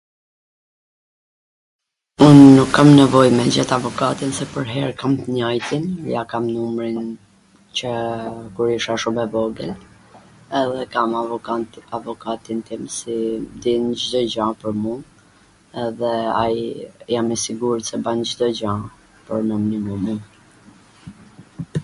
nuk kam nevoj me gjet avokatin se pwrher kam t njwjtin, ja kam numrin qw kur isha shum e vogwl, edhe kam avokatin tim si din Cdo gja pwr mu edhe ai jam e sigurt qw ban Cdo gja pwr me nimu mu